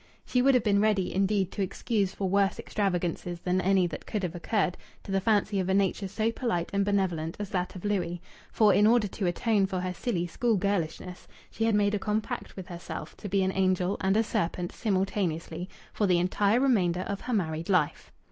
She would have been ready, indeed, to excuse for worse extravagances than any that could have occurred to the fancy of a nature so polite and benevolent as that of Louis; for, in order to atone for her silly school girlishness, she had made a compact with herself to be an angel and a serpent simultaneously for the entire remainder of her married life.